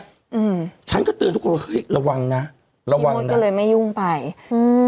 อืมฉันก็เตือนทุกคนว่าเฮ้ยระวังนะระวังโทษก็เลยไม่ยุ่งไปอืม